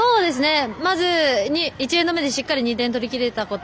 １エンド目でしっかり２点取りきれたこと。